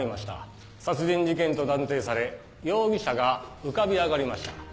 殺人事件と断定され容疑者が浮かび上がりました。